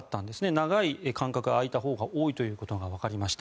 長い間隔が空いたほうが多いということがわかりました。